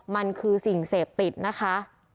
มันคือสิ่งเสพติดนะคะ